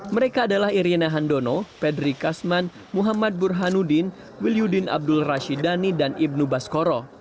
mereka adalah irina handono pedri kasman muhammad burhanuddin wil yudin abdul rashidani dan ibnu baskoro